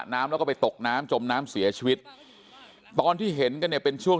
น้ำแล้วก็ไปตกน้ำจมน้ำเสียชีวิตตอนที่เห็นกันเนี่ยเป็นช่วง